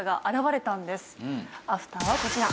あら！